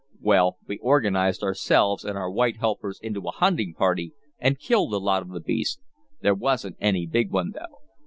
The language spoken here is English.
"Well, we organized ourselves and our white helpers into a hunting party and killed a lot of the beasts. There wasn't any big one though."